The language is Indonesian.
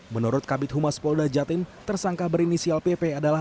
menurut kabit humas polda jatim tersangka berinisial pp adalah